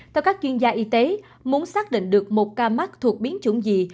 theo các chuyên gia y tế muốn xác định được một ca mắc thuộc biến chủng gì